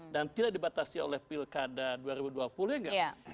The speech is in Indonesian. dan tidak dibatasi oleh pilkada dua ribu dua puluh ya enggak